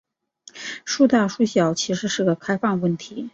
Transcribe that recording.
孰大孰小其实是个开放问题。